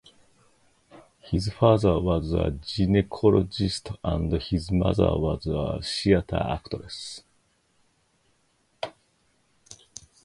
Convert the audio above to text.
His father was a gynecologist and his mother was a theater actress.